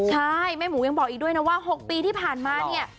ใช่แม่หมูยังบอกอีกด้วยนะว่า๖ปีที่ผ่านมาเนี่ย